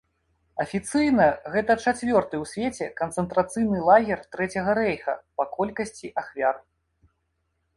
Афіцыйна, гэта чацвёрты ў свеце канцэнтрацыйны лагер трэцяга рэйха па колькасці ахвяр.